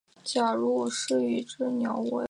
褐背柳是杨柳科柳属的植物。